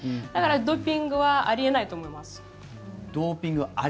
だからドーピングはあり得ないと思います。